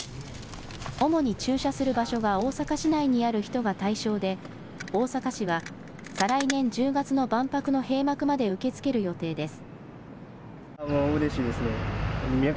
主に駐車する場所が大阪市内にある人が対象で、大阪市は再来年１０月の万博の閉幕まで受け付ける予定です。